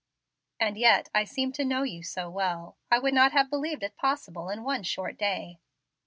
"And yet I seem to know you so well! I would not have believed it possible in one short day."